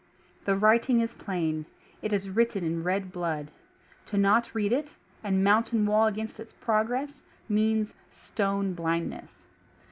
The writing is plain ; it is written in red blood ; to not read it, and mountain wall against its progress means stone blindness.